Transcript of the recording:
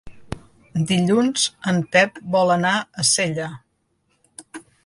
Dilluns en Pep vol anar a Sella.